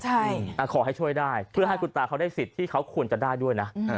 ใช่ขอให้ช่วยได้เพื่อให้คุณตาเขาได้สิทธิ์ที่เขาควรจะได้ด้วยนะ